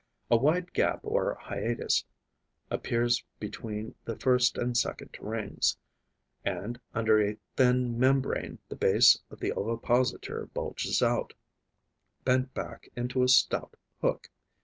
A wide gap or hiatus appears between the first and second rings; and, under a thin membrane, the base of the ovipositor bulges out, bent back into a stout hook.